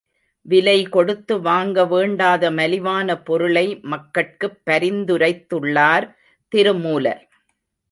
விலை கொடுத்து வாங்க வேண்டாத மலிவான பொருளை மக்கட்குப் பரிந்துரைத் துள்ளார் திருமூலர்.